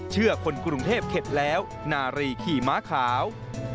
คนกรุงเทพเข็ดแล้วนารีขี่ม้าขาว